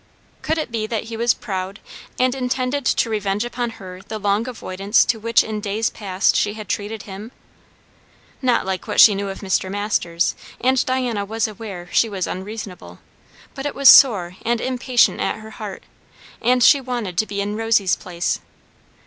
Could it be that he was proud, and intended to revenge upon her the long avoidance to which in days past she had treated him? Not like what she knew of Mr. Masters, and Diana was aware she was unreasonable; but it was sore and impatient at her heart, and she wanted to be in Rosy's place.